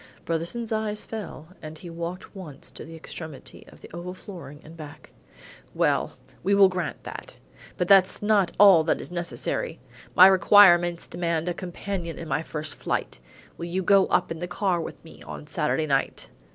Brotherson's eyes fell and he walked once to the extremity of the oval flooring and back. "Well, we will grant that. But that's not all that is necessary. My requirements demand a companion in my first flight. Will you go up in the car with me on Saturday night?"